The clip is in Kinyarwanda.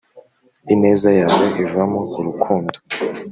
ineza yawe ivamo urukundo